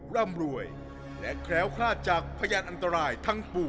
ร่ำรวยและแคล้วคลาดจากพยานอันตรายทั้งปู่